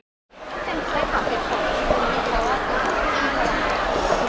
จริงค่ะเฉยทราบที่ผมคิดว่าเป็นอะไร